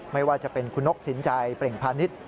ไม่ว่าจะเป็นคุณนกสินใจเปล่งพาณิชย์